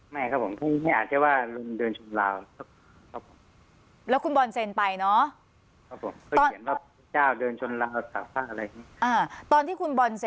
มั้ยครับผมของข้านี้หลังจะเดินประกันลาแ